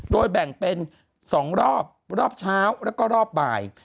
โดยแบ่งเป็น๒รอบรอบเช้าแล้วก็รอบบ่าย